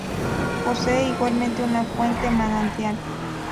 Posee igualmente una fuente manantial.